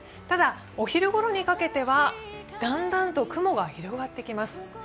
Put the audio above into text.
ただお昼ごろにかけては、だんだんと雲が広がってきます。